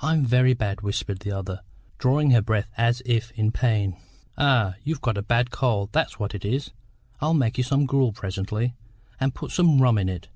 "I'm very bad," whispered the other, drawing her breath as if in pain. "Ay, you've got a bad cold, that's what it is. I'll make you some gruel presently, and put some rum in it.